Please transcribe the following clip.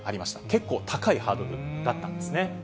結構高いハードルだったんですね。